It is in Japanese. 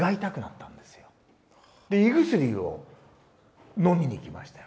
胃薬を飲みにいきましたよ。